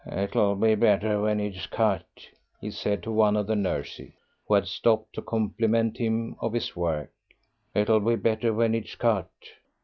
"It'll be better when it's cut," he said to one of the nurses, who had stopped to compliment him on his work; "it'll be better when it's cut."